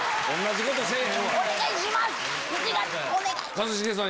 一茂さん